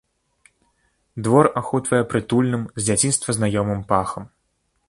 Двор ахутвае прытульным, з дзяцінства знаёмым пахам.